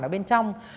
ở bên trong